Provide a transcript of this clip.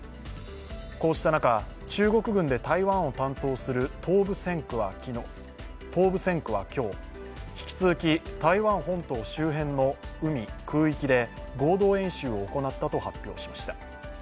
こうした中、中国軍で台湾を担当する東部戦区は今日引き続き台湾本島周辺の海・空域で合同演習を行ったと発表しました。